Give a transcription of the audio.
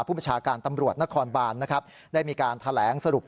ผู้ประชาการตำรวจนครบานได้มีการแถลงสรุป